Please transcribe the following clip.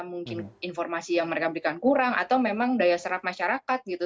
mungkin informasi yang mereka berikan kurang atau memang daya serap masyarakat gitu